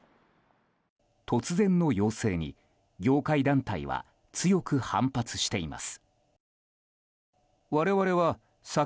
突然の要請に業界団体は強く反発しています。